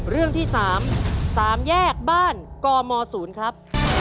เรื่องที่๓สามแยกบ้านกมศูนย์ครับ